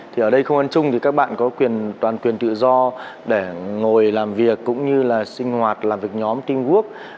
thì ở đây không gian chung thì các bạn có toàn quyền tự do để ngồi làm việc cũng như là sinh hoạt làm việc nhóm team work